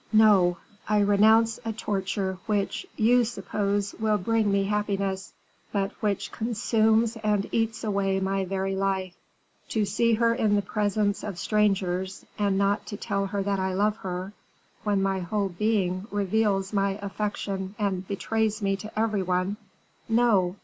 No, I renounce a torture which you suppose will bring me happiness, but which consumes and eats away my very life; to see her in the presence of strangers, and not to tell her that I love her, when my whole being reveals my affection and betrays me to every one; no!